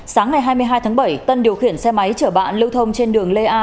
sáng ngày hai mươi hai tháng bảy tân điều khiển xe máy chở bạn lưu thông trên đường lê a